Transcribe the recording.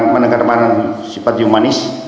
menegakkan sifat humanis